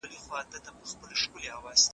ایا یوازې تمرین عضلات قوي کوي؟